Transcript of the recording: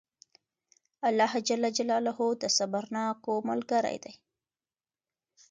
الله جل جلاله د صبرناکو ملګری دئ!